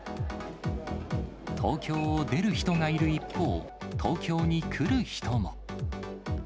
東京を出る人がいる一方、東京に来る人も。